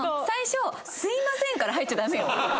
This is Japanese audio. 最初「すいません」から入っちゃダメよ。